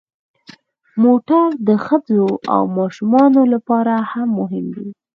موټر د ښځو او ماشومانو لپاره هم مهم دی.